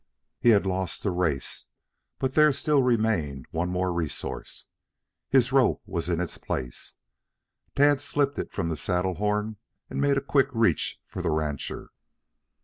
He had lost the race. But there still remained one more resource. His rope was in its place. Tad slipped it from the saddle horn and made a quick reach for the rancher.